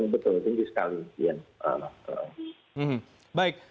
betul tinggi sekali